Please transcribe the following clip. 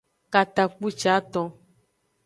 Katakpuciaton.